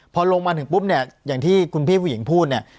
พอลงมาถึงปุ๊บเนี่ยอย่างที่คุณพี่ผู้หญิงพูดเนี่ย